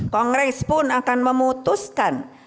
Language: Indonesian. kongres pun akan memutuskan